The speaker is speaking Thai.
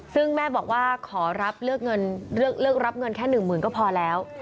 ซึ่งแม่บอกว่าขอรับเลือกรับเงินแค่๑๐๐๐ก็พอแล้ว